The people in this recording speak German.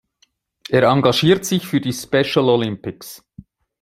Er engagiert sich für die Special Olympics.